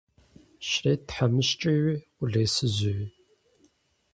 Щрет тхьэмыщкӏэуи, къулейсызууи.